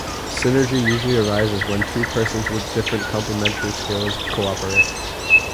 Synergy usually arises when two persons with different complementary skills cooperate.